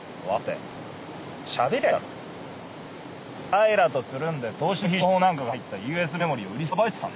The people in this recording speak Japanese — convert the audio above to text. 平良とつるんで投資の必勝法なんかが入ったＵＳＢメモリを売りさばいてたんだ。